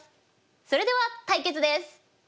それでは対決です。